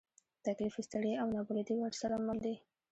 تکلیف، ستړیا، او نابلدي ورسره مل دي.